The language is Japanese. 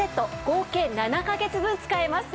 合計７カ月分使えます。